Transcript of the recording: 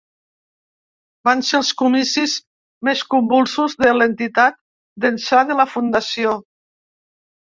Van ser els comicis més convulsos de l’entitat d’ençà de la fundació.